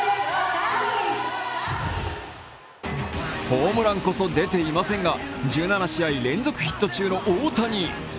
ホームランこそ出ていませんが１７試合連続ヒット中の大谷。